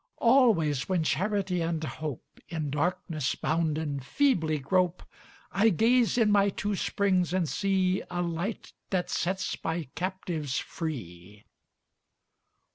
Always when Charity and Hope, In darkness bounden, feebly grope, I gaze in my two springs and see A Light that sets my captives free.